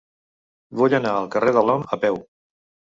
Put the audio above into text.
Vull anar al carrer de l'Om a peu.